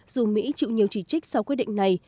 dù mỹ chịu nhiều chỉ trích sau quyết định này